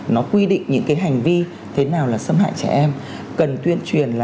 nó quy định những cái hành vi thế nào là xâm hại trẻ em